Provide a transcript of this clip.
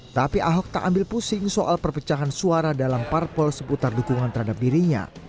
tapi ahok tak ambil pusing soal perpecahan suara dalam parpol seputar dukungan terhadap dirinya